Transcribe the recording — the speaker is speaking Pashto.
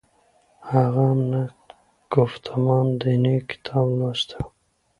هغه هم نقد ګفتمان دیني کتاب لوستلی و.